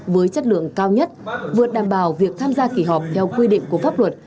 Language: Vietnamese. với chất lượng cao nhất vượt đảm bảo việc tham gia kỳ họp theo quy định của pháp luật